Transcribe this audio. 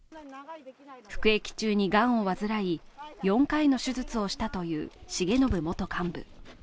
服役中にがんを患い、４回の手術を下という重信元幹部。